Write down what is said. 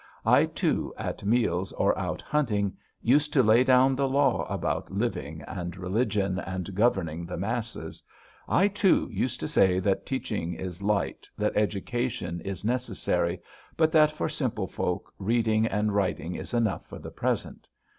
"I, too, at meals or out hunting, used to lay down the law about living, and religion, and governing the masses. I, too, used to say that teaching is light, that education is necessary, but that for simple folk reading and writing is enough for the present.